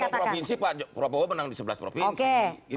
kalau provinsi pak prabowo menang di sebelas provinsi